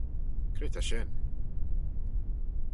Cre ta shen?